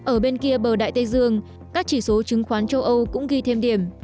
ở bên kia bờ đại tây dương các chỉ số chứng khoán châu âu cũng ghi thêm điểm